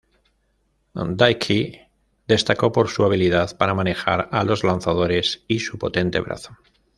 Dickey destacó por su habilidad para manejar a los lanzadores y su potente brazo.